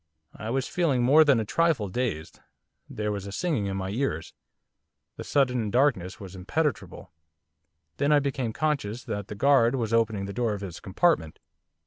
I was feeling more than a trifle dazed, there was a singing in my ears, the sudden darkness was impenetrable. Then I became conscious that the guard was opening the door of his compartment.